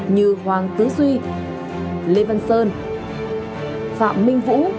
như hoàng tứ duy lê văn sơn phạm minh vũ